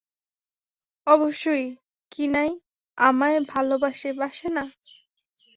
অবশ্যই, কিনাই আমায় ভালোবাসে, বাসে না।